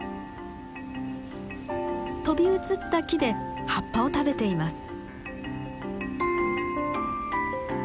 飛び移った木で葉っぱを食べています。